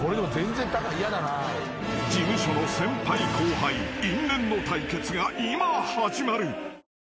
［事務所の先輩後輩因縁の対決が今始まる］